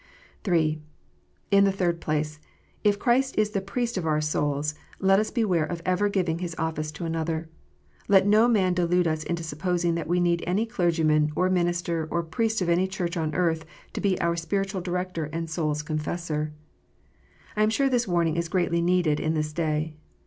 (3) In the third place, if Christ is the Priest of our souls, let us beware of ever giving His office to another. Let no man delude us into supposing that we need any clergyman, or minister, or priest of any Church on earth, to be our spiritual director and soul s confessor. I am sure this warning is greatly needed in this day.